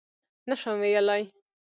_نه شم ويلای.